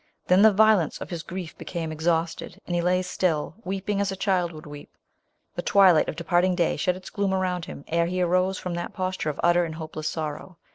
Then the violence of his grief became ex hausted, and he lay still, weeping as a child would weep. The twilight of departing day shea its gloom around him ere he arose from that posture of utter and hopeless sorrow.